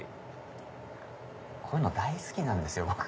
こういうの大好きなんですよ